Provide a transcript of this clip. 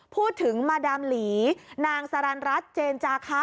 พูดถึงมาดามหลีนางสรรรัฐเจนจาคะ